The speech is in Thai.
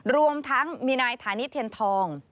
รวมทั้งมีนายฐานิเทียนทอง